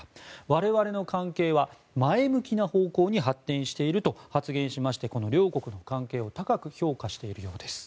我々の関係は前向きな方向に発展していると発言しましてこの両国の関係を高く評価しているようです。